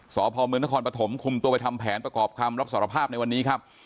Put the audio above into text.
สพมนครปฐมคุมตัวไปทำแผนประกอบคำรับสารภาพในวันนี้ครับ